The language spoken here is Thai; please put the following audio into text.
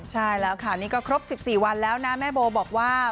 ใช่แล้วค่ะนี่ก็ครบ๑๔วันแล้วนะแม่โบบอกว่า